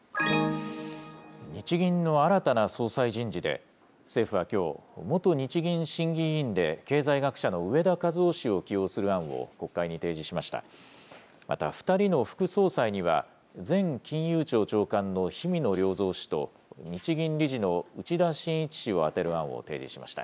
日銀の新たな総裁人事で、政府はきょう、元日銀審議委員で経済学者の植田和男氏を起用する案を国会に提示しました。